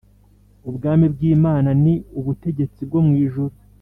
Ubwami bw’Imana ni ubutegetsi bwo mu ijuru